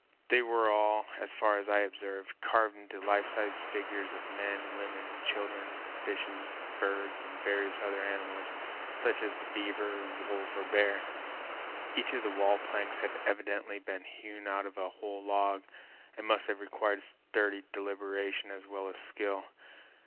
They were all, as far as I observed, carved into life size figures of men, women, and children, fishes, birds, and various other animals, such as the beaver, wolf, or bear. Each of the wall planks had evidently been hewn out of a whole log, and must have required sturdy deliberation as well as skill.